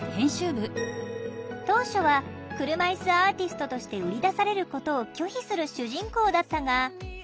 当初は“車いすアーティスト”として売り出されることを拒否する主人公だったが。